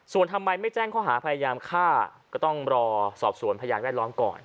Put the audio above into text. ส่วนทำไมไม่แจ้งข้อหาพยายามฆ่าก็ต้องรอสอบสวนพยานแวดล้อมก่อน